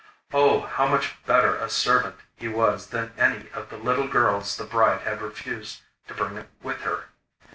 Oh, how much better a servant he was than any of the little girls the bride had refused to bring with her!